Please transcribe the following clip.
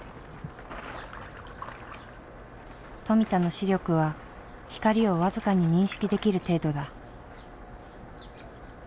富田の視力は光を僅かに認識できる程度だ。